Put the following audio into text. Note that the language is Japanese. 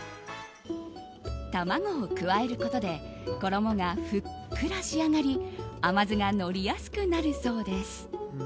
卵を加えることで衣がふっくら仕上がり甘酢がのりやすくなるそうです。